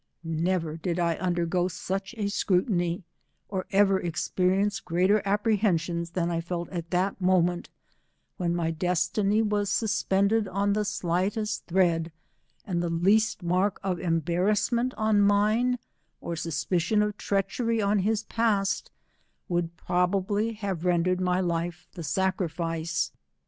Never did I undergo such a scrutiny, or ever experience greater apprehensions than I felt at that moment, when my destiny was suspended on the slightest thread, and the least mark of em barrassment on mine, or suspicion of treachery on his past, would probaWy have rendered my life the sacrifice.